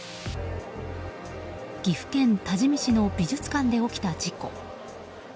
岐阜県多治見市の美術館で起きた事故。